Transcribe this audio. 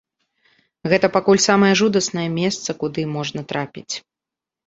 Гэта пакуль самае жудаснае месца, куды можна трапіць.